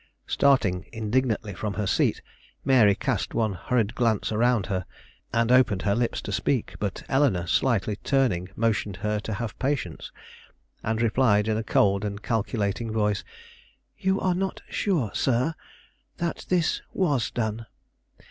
Starting indignantly from her seat, Mary cast one hurried glance around her, and opened her lips to speak; but Eleanore, slightly turning, motioned her to have patience, and replied in a cold and calculating voice: "You are not sure, sir, that this was done.